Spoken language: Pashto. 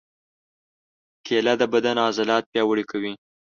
کېله د بدن عضلات پیاوړي کوي.